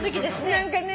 何かね。